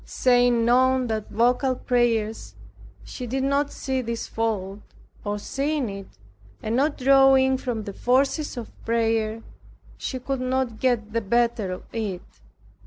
Saying none than vocal prayers, she did not see this fault; or seeing it, and not drawing from the forces of prayer, she could not get the better of it.